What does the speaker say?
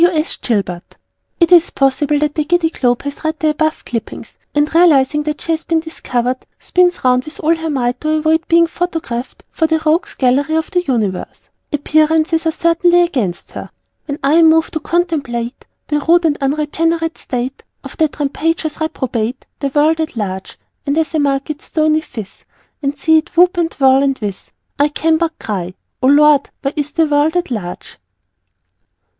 W. S. Gilbert. It is possible that the Giddy Globe has read the above clippings and, realizing that she has been discovered, spins round with all her might to avoid being photographed for the Rogues' Gallery of the Universe. Appearances are certainly against her. When I am moved to contemplate The rude and unregenerate state Of that rampageous reprobate The World at large, And as I mark its stony phiz And see it whoop and whirl and whiz, I can but cry O Lord, why is _The World at large?